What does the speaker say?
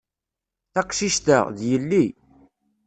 Taqcict-a, d yelli.